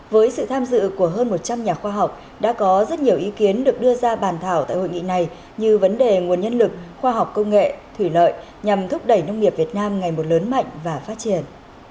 với sự tham dự của hơn một trăm linh nhà khoa học đã có rất nhiều ý kiến được đưa ra bàn thảo tại hội nghị này như vấn đề nguồn nhân lực khoa học công nghệ thủy lợi nhằm thúc đẩy nông nghiệp việt nam ngày một lớn mạnh và phát triển